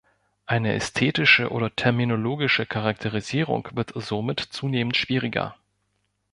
Eine ästhetische oder terminologische Charakterisierung wird somit zunehmend schwieriger.